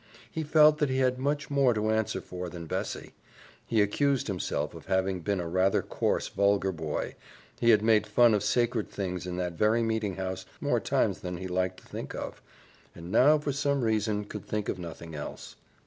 He felt that he had much more to answer for than Bessie; he accused himself of having been a rather coarse, vulgar boy; he had made fun of sacred things in that very meeting house more times than he liked to think of, and now for some reason could think of nothing else.